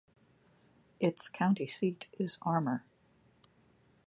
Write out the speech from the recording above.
Its county seat is Armour.